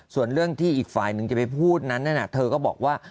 ส่วนเรื่องที่อีกฝ่ายหนึ่งจะไปพูดนั้นเธอก็บอกว่า